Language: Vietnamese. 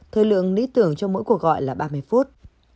thời lượng lý tưởng cho mỗi cuộc gọi là ba mươi phút